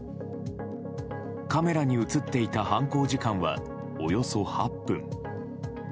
カメラに映っていた犯行時間は、およそ８分。